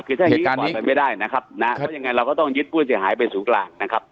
คือถ้าอย่างนี้ปล่อยมันไม่ได้นะครับนะเพราะยังไงเราก็ต้องยึดผู้เสียหายไปศูนย์กลางนะครับ